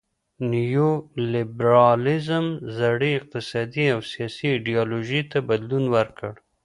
نیو لیبرالیزم زړې اقتصادي او سیاسي ایډیالوژۍ ته بدلون ورکړ.